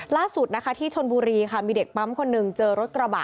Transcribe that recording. ล่าสุดนะคะที่ชนบุรีค่ะมีเด็กปั๊มคนหนึ่งเจอรถกระบะ